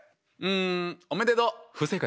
うんおめでとう！